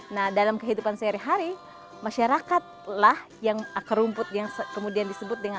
nah dalam kehidupan sehari hari masyarakatlah yang akar rumput yang kemudian disebut dengan